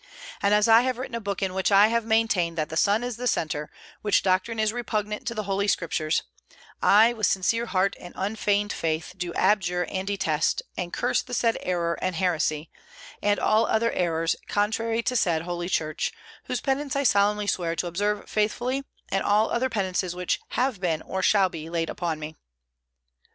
And as I have written a book in which I have maintained that the sun is the centre, which doctrine is repugnant to the Holy Scriptures, I, with sincere heart and unfeigned faith, do abjure and detest, and curse the said error and heresy, and all other errors contrary to said Holy Church, whose penance I solemnly swear to observe faithfully, and all other penances which have been or shall be laid upon me."